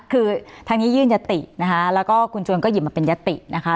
คือทางนี้ยื่นยตินะคะแล้วก็คุณชวนก็หยิบมาเป็นยตินะคะ